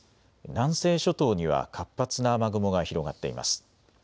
南西諸島には活発な雨雲が広がっています。